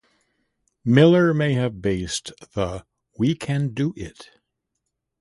Miller may have based the We Can Do It!